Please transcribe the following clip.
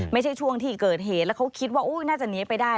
ไม่ใช่ช่วงที่เกิดเหตุแล้วเขาคิดว่าน่าจะหนีไปได้